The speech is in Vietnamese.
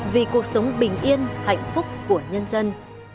vì cuộc sống bình yên hạnh phúc của nhân dân